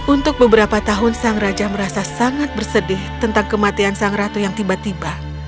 untuk beberapa tahun sang raja merasa sangat bersedih tentang kematian sang ratu yang tiba tiba